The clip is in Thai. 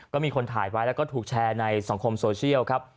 ก็มีคนถ่ายไว้แล้วก็ถูกแชร์ในสังคมโซเชียลครับ